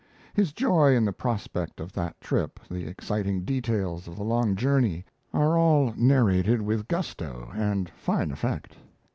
His joy in the prospect of that trip, the exciting details of the long journey, are all narrated with gusto and fine effect.